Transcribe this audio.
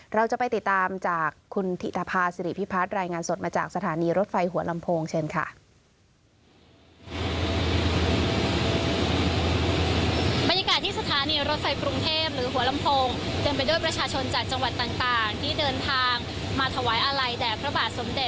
เราจะไปติดตามจากคุณถิตภาษิริพิพัฒน์รายงานสดมาจากสถานีรถไฟหัวลำโพงเชิญค่ะ